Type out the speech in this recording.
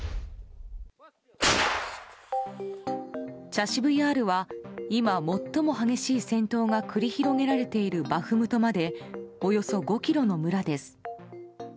チャシブヤールは今、最も激しい戦闘が繰り広げられているバフムトまでおよそ５ｋｍの村です。